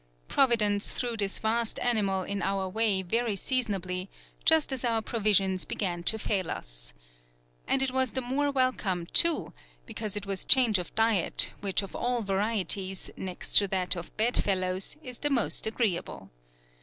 Providence threw this vast animal in our way very Seasonably, just as our provisions began to fail us. And it was the more welcome, too, because it was change of dyet, which of all Varietys, next to that of Bed fellows, is the most agreeable.